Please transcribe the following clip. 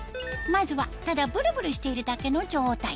まずはただブルブルしているだけの状態